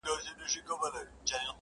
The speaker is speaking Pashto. • چي لمن د شپې خورېږي ورځ تېرېږي؛